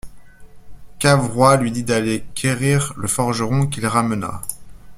Cavrois lui dit d'aller quérir le forgeron, qu'il ramena.